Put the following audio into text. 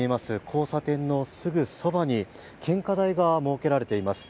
交差点のすぐそばに献花台が設けられています。